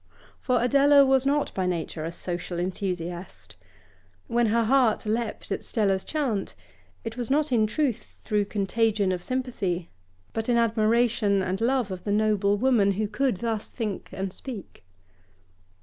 For Adela was not by nature a social enthusiast. When her heart leapt at Stella's chant, it was not in truth through contagion of sympathy, but in admiration and love of the noble woman who could thus think and speak.